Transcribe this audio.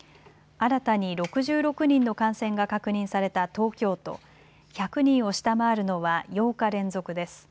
新たに６６人の感染が確認された東京都、１００人を下回るのは８日連続です。